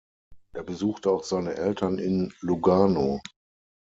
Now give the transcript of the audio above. Er besuchte auch seine Eltern in Lugano.